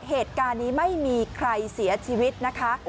เหตุการณ์นี้ไม่มีใครเสียชีวิตนะคะ